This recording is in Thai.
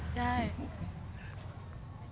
ใช่